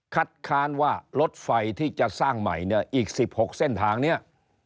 ค้านว่ารถไฟที่จะสร้างใหม่เนี่ยอีก๑๖เส้นทางเนี่ย